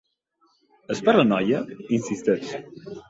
És per la noia? —insisteix.